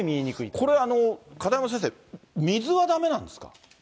これ、片山先生、水はだめなんですか？